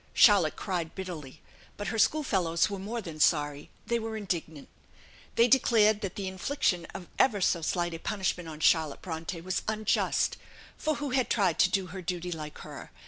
Charlotte cried bitterly. But her school fellows were more than sorry they were indignant. They declared that the infliction of ever so slight a punishment on Charlotte Bronte was unjust for who had tried to do her duty like her?